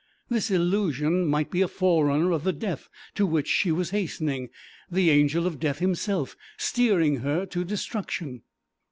This illusion might be a forerunner of the death to which she was hastening, the Angel of Death himself steering her to destruction!